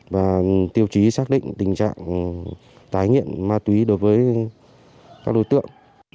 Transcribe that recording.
và tiêu chí xác định tình trạng tái nghiện ma túy đối với các đối tượng